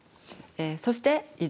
そして移動。